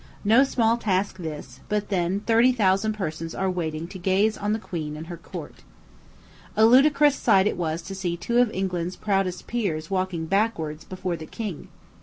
No small task this; but then thirty thousand persons are waiting to gaze on the queen and her court. A ludicrous sight it was to see two of England's proudest peers walking backward before the queen.